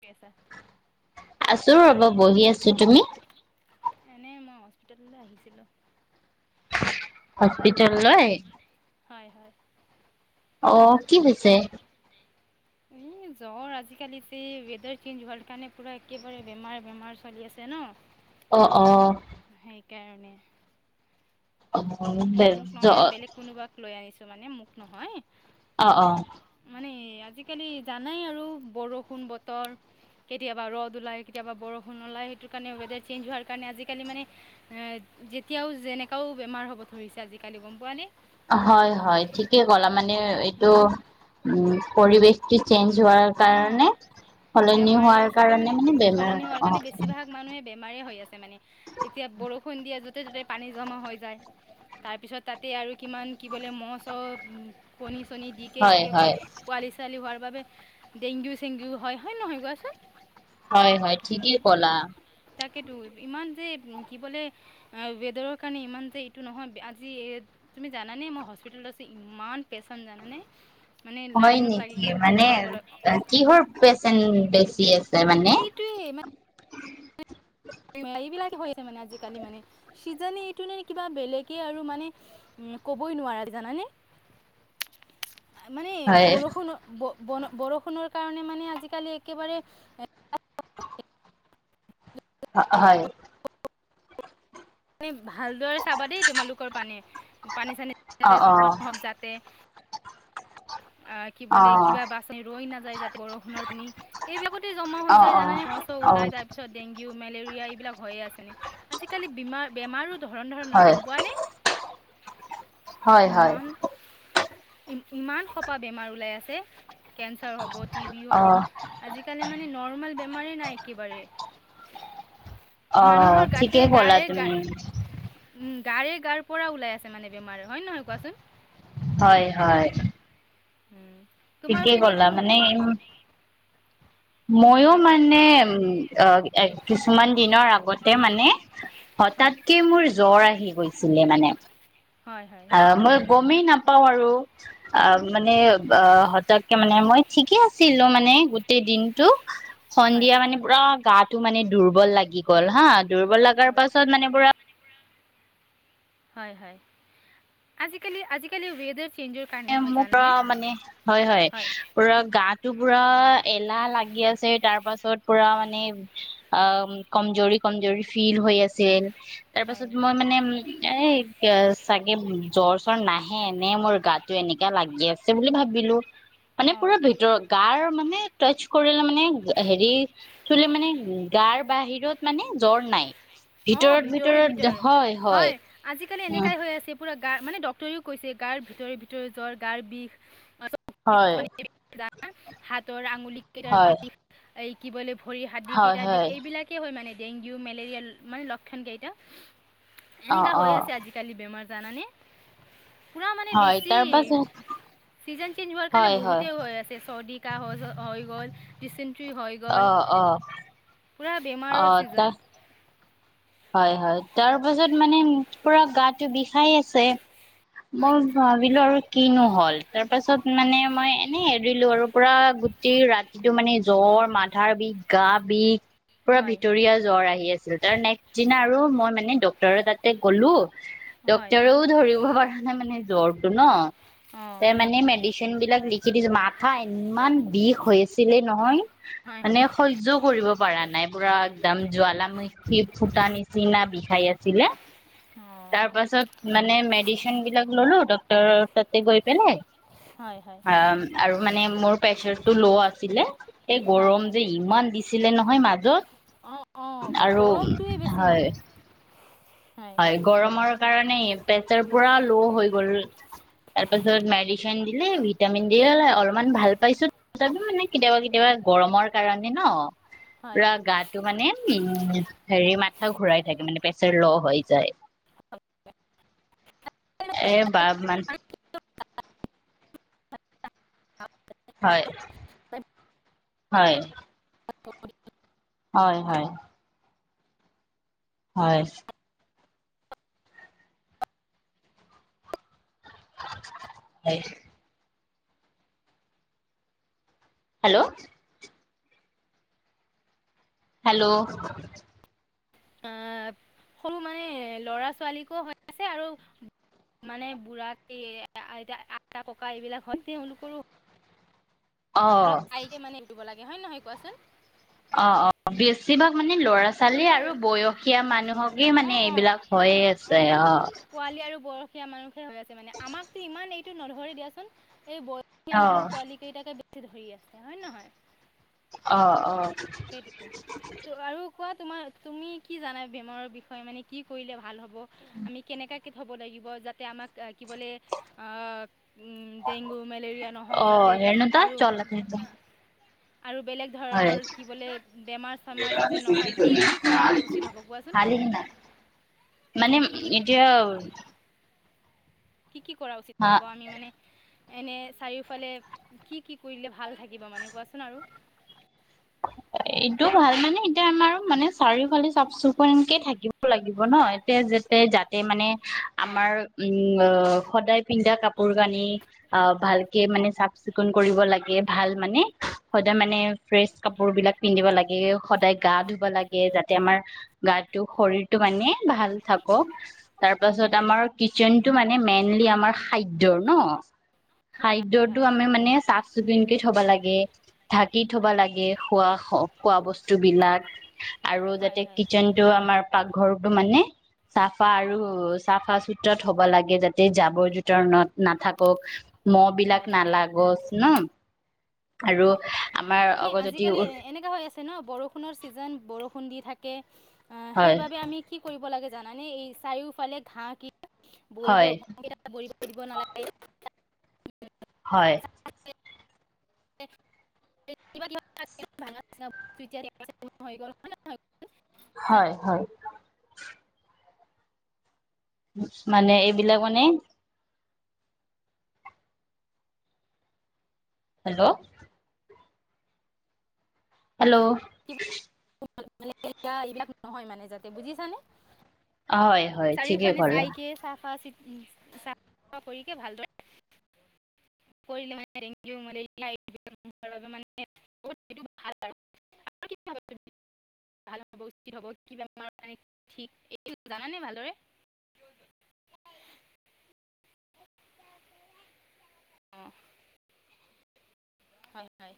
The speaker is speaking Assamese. কৰি আছা? আছো ৰ'ব বহি আছো তুমি এনে মই হস্পিতেললৈ আহিছিলো হস্পিতেললৈ হয় হয় অ কি হৈছে এই জ্বৰ আজিকালি যে ৱেডাৰ চেঞ্জ হোৱাৰ কাৰণে পুৰা একেবাৰে বেমাৰ বেমাৰ চলি আছে ন অ অ সেইকাৰণে অ মানে বে- মোক নহয় জ- বেলেগ কোনোবাক লৈ আনিছো মানে মোক নহয় অ অ মানে আজিকালি জানাই আৰু বৰষুণ বতৰ কেতিয়াবা ৰদ ওলায় কেতিয়াবা বৰষুণ ওলায় সেইটো কাৰণে ৱেডাৰ চেনঞ্জ হোৱাৰ কাৰণে আজিকালি মানে, এ যেতিয়াও যেনেকাও বেমাৰ হ'ব ধৰিছে আজিকালি গম পোৱা নে হয় হয় ঠিকে ক'লা মানে এইটো উম, উম পৰিৱেশটো চেঞ্জ হোৱাৰ অ'। কাৰণে সলনি বেমাৰে হোৱাৰ চবে কাৰণে মানে সলনি হোৱাৰ বেমাৰ অ। কাৰণে বেছিভাগ মানুহে বেমাৰ হৈ আছে মানে এতিয়া বৰষুণ দিয়ে য'তে- ত'তে পানী জমা হৈ যায়। তাৰপিছত তাতে আৰু কিমান কি বোলে ম'হ- চ'হ কণী -চণী দি একে হয় একেবাৰে হয় পোৱালি চোৱালি হোৱাৰ বাবে ডেংগু চেংগু হয় হয় নহয় কোৱাচোন হয় হয় ঠিকেই ক'লা তাকেতো ইমান যে কি বোলে আহ ৱেডাৰৰ কাৰণে ইমান যে এইটো নহয় আজি এ তুমি জানানে মই হস্পিতেলত আছো ইমান পেচেণ্ট জানানে মানে হয় লাইনত নেকি লাগিকে মানে দেখুৱাবলৈ কিহৰ পেচেণ্ট বেছি আছে মানে এইটোৱে এইবিলাক হৈছে মানে আজিকালি মানে চিজনে এইটো নে কিবা বেলেগে আৰু মানে উম ক'বই নোৱাৰা জানা নে [inaudible] মানে হয় বৰষুণ ব বন বৰষুণৰ কাৰণে মানে আজিকালি একেবাৰে এ হা হায়। নি ভালদৰে চাবা দেই তোমালোকৰ পানী, পানী- চানী অ যাতে অ জমা নহওক যাতে আহ কি অ বোলে? কিবা বাছ আনি ৰৈ নাযায় যাতে বৰষুণৰ পানী এইবিলাকতে জমা অ হৈ যায় জানানে? মহ - চহ অ অ ওলাই তাৰপিছত ডেংগু, মেলেৰিয়া এইবিলাক হৈয়ে আছেনে? আজিকালি বীমাৰ বেমাৰো ধৰণ ধৰণৰ হয় গম পোৱা নে? হয়- হয়। ই ইমান সোপা বেমাৰ ওলাই আছে। কেঞ্চাৰ হ'ব, টি বি হ'ব অ', আজিকালি মানে নৰ্মেল বেমাৰেই নাই একেবাৰে। অ', মানুহৰ গাতে ঠিকেই ক'লা গাৰে গা তুমি উম, গাৰে গাৰ পৰা ওলাই আছে মানে বেমাৰ হয় নে নহয় কোৱাচোন? হয় - হয়। হুম। ঠিকেই কলা মানে এম ময়ো হয় কোৱা মানে উম আ এ কিছুমান দিনৰ আগতে মানে হয় হঠাৎকে মোৰ জ্বৰ আহি গৈছিলে মানে হয় - হয়। আ মই গমেই নাপাওঁ আৰু আ মানে আ হঠাৎ কে মানে মই ঠিকে আছিলো মানে গোটেই দিনটো, হয় সন্ধিয়া মানে পুৰা গাটো মানে দুৰ্বল লাগি গ'ল হা। দুৰ্বল লগাৰ হয় পাছত মানে পুৰা হয়- হয়, আজিকালি -আজিকালি ৱেডাৰ চেঞ্জৰ কাৰণে এ, হয় মোৰ পুৰা জানানে মানে হয় -হয় পুৰা গাত টো পুৰা এলাহ লাগি আছে তাৰ পাছত পুৰা মানে আম, কমজৰি -কমজৰি ফিল হৈ আছিল হয় তাৰপাছত মই মানে এ গে চাগে জ্বৰ -চ্বৰ নাহে এনে মোৰ গাত টো এনেকা লাগি আছে বুলি ভাবিলো মানে অঁ পুৰা ভিতৰত গাৰ মানে টচ কৰিলে মানে হেৰি চুলে মানে গাৰ বাহিৰত মানে জ্বৰ নাই। অ, ভিতৰে -ভিতৰে হয়, আজিকালি হয় এনেকাই হৈ আছে পুৰা গাৰ মানে ডক্তৰেও কৈছে, গাৰ ভিতৰে- ভিতৰে জ্বৰ, গাৰ বিষ অ চ হয় [inaudible] হাতৰ আঙুলি কেইটাৰ হয় বিষ। এই কি বলে ভৰি, হয় হাডীকেইটাৰ বিষ হয় এইবিলাকেই হয় মানে ডেংগো - মেলেৰিয়া ল মানে লক্ষণকেইটা, অ এনেকা অ হৈ আছে আজিকালি বেমাৰ জানানে? পুৰা মানে হয় বেছি, তাৰ পাছত ছিজন চেঞ্জ হোৱাৰ কাৰণে হয় হয় বহুতে হৈ আছে চৰ্দি কাঁহ হ য হৈ গ'ল, ডিচেণ্ট্ৰি হৈ গ'ল অ অ পূৰা অ বেমাৰৰ ছিজন। তাৰ হয় হয় তাৰ পিছত মানে পুৰা গাত টো বিষায় আছে, হয় মই ভাবিলো আৰু কিনো হ'ল। তাৰ পাছত মানে মই এনেই এৰিলো আৰু পুৰা গুটেই ৰাতিটো মানে জ্বৰ, মাথাৰ বিষ, গা বিষ পুৰা হয় ভিতৰীয়া জ্বৰ আহি আছিল তাৰ নে চিনা আৰু মই মানে ডক্টৰৰ তাতে গ'লো, হয় ডক্টৰ ৰো ধৰিব পাৰা নাই মানে জ্বৰটো ন, অঁ তে মানে মেডি চিনবিলাক লিখি দিছে, মাথা ইমান বিষ হৈ আছ আছিলে নহয় হয় মানে হয় সহ্যও কৰিব পৰা নাই, পুৰা একদম জ্বালামুখী- ফুটা নিচিনা বিষাই আছিলে। অঁ তাৰপাছত- মানে মেডিচিন বিলাক ললো ডক্টৰ তাতে গৈ পেলাই। হয় হয় আ- আৰু মানে মোৰ প্ৰেচাৰ টো ল' আছিলে। এই হয় গৰম হয় যে ইমান দি- ছিলে নহয় মাজত। অঁ, অঁ, আৰু গৰমটোৱে বেছি হয় মানে। হয়, গৰমৰ কাৰণে প্ৰেচাৰ পুৰা ল' হৈ গ'ল। তাৰপাছত মেডিচিন দিলে। ভিটামিন দিয়ে অলপমান ভাল পাইছো তথাপি মানে কেতিয়াবা কেতিয়াবা গৰমৰ কাৰণে ন- হয় পুৰা গাটো মানে উম হেৰি মাথা ঘূৰাই থাকে মানে প্ৰেচাৰ ল হৈ। যায়, এ বা মান। হয়, হয়। হয়, হয়। হয়। সেই- হেল্ল'! হেল্ল'! আহ সৰু মানে ল'ৰা ছোৱালীকো হৈ আছে আৰু- মানে বুঢ়া আইতা ককা এইবিলাক হয় তেওঁলোকৰো- অ অলপ অ কাই মানে উৰিব লাগে হয় নহয় কোৱাচোন? অঁ, অঁ বেছিভাগ মানে ল'ৰা- ছোৱালী তেওঁলোকৰ আৰু বয়সীয়া মানুহকে মানে এইবিলাক হৈয়ে আছে অঁ। পোৱালী আৰু বয়সীয়া মানুহকে হৈ আছে মানে। আমাকতো ইমান এইটো নধৰি দিয়াচোন। এই- বয়সীয়া অ মানুহ, পোৱালি কেইটাকে বেছি ধৰি আছে, হয় নে নহয়? অঁ, অঁ। সেইটো ত আৰু কোৱা তোমাৰ তুমি কি জানা বেমাৰৰ বিষয়ে মানে কি কৰিলে ভাল হ'ব? আমি কেনেকাকে থ'ব লাগিব যাতে আমাক কি বোলে- ডেংগু, মেলেৰিয়া অ নহওঁক যাতে ৰেণুকা চল আৰু- [inaudible] আৰু বেলেগ হয় ধৰণৰ- কৰিবলৈ বেমাৰ চমাৰ যাতে নহয় কি কি কৰাটো উচিত হ'ব কোৱাচোন? হালি মানে কি কি এতিয়া- কি কি কৰা উচিত হা হ'ব আমি মানে- এনে চাৰিওফালে কি কি কৰিলে ভাল থাকিব মানে কোৱাচোন আৰু? এইটো ভাল মানে এতিয়া আমাৰ মানে চাৰিওফালে চাফ -চিকুণকে থাকিব। লাগিব ন, এতিয়া যে- তাতে মানে হয় আমাৰ উম সদায় পিন্ধা কাপোৰ কানি- অঁ ভালকে মানে চাফ চিকুণ কৰিব লাগে ভাল মানে সদায় মানে ফ্ৰেচ কাপোৰ বিলাক- পিন্ধিব লাগে, সদায় গা ধুব লাগে যাতে আমাৰ- গাটো শৰীৰটো মানে ভাল থাকক। তাৰ পাছত আমাৰ কিটচেনতটো মানে মেইনলি আমাৰ খাদ্যৰ ন, - হয় হয় খাদ্যটো হয় আমি মানে চাফ চিকুণকে থব লাগে, ঢাকি থব হয় লাগে খোৱা- খোৱা বস্তু বিলাক আৰু হয় হয় যাতে হয় কিটচেনটো আমাৰ পাকঘৰটো মানে- চাফা আৰু চাফা চুত্ৰত হ'ব লাগে যাতে জাৱৰ জোথৰ নাথাকক। মহ হয় হয় বিলাক হয় নালাগক ন। আৰু হয় হয় আমাৰ মানে অগজতি আজিকালি এনেকা হৈ আছে ন বৰষুণৰ ছিজন বৰষুণ দি থাকে হয় সেইবাবে আমি কি কৰিব লাগে জানানে এই চাৰিওফালে ঘাঁহ ক হয় বৰিবেই ব থৈ দিব নালাগে হয় [unintelligible] হয় হয় মানে এইবিলাক মানে হেল্ল' হেল্ল' চাৰিও- এইবিলাক নহয় মানে যাতে বুজিছানে হয় হয় ঠিকে চাৰিওফানে ক'লা চাই কে চাফা চ চফ চফা কৰিকে ভালদৰে কৰিলে মানে [unintelligible] ভাল আৰু [inaudible] ভাল হ'ব উচিত হ'ব কি বেমাৰ মান ঠিক এই জানানে ভালদৰে অ হয় হয়